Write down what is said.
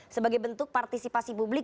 sebagai bentuk partisipasi publik